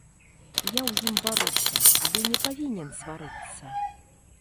Я ў ім варуся, але не павінен зварыцца!